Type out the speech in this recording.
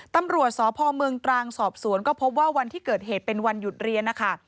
ตำรวจสพเมืองตรังสอบสวนก็พบว่าวันที่เกิดเหตุเป็นวันหยุดเรียนนะคะ